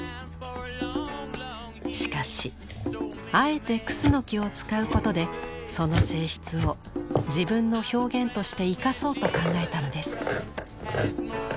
しかしあえてクスノキを使うことでその性質を自分の表現として生かそうと考えたのです。